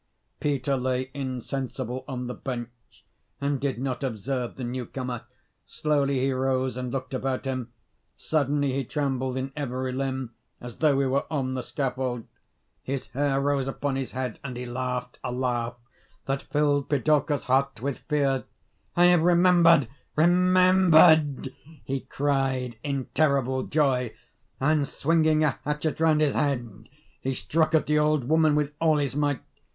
Peter lay insensible on the bench, and did not observe the newcomer. Slowly he rose, and looked about him. Suddenly he trembled in every limb, as though he were on the scaffold: his hair rose upon his head, and he laughed a laugh that filled Pidorka's heart with fear. "I have remembered, remembered!" he cried, in terrible joy; and, swinging a hatchet round his head, he struck at the old woman with all his might.